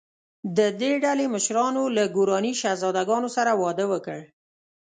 د دې ډلې مشرانو له ګوراني شهزادګانو سره واده وکړ.